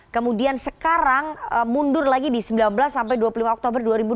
kemudian sekarang mundur lagi di sembilan belas sampai dua puluh lima oktober dua ribu dua puluh